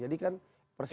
jadi kan persen